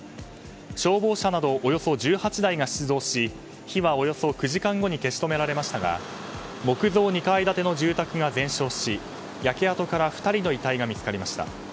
消防車などおよそ１８台が出動し火はおよそ９時間後に消し止められましたが木造２階建ての住宅が全焼し焼け跡から２人の遺体が見つかりました。